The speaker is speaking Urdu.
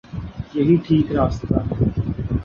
یہی ٹھیک راستہ ہے۔